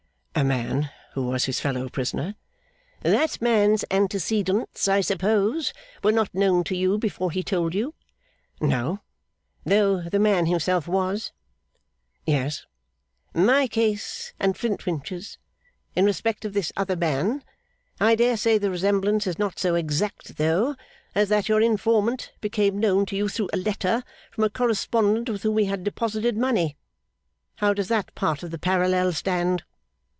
'A man who was his fellow prisoner.' 'That man's antecedents, I suppose, were not known to you, before he told you?' 'No.' 'Though the man himself was?' 'Yes.' 'My case and Flintwinch's, in respect of this other man! I dare say the resemblance is not so exact, though, as that your informant became known to you through a letter from a correspondent with whom he had deposited money? How does that part of the parallel stand?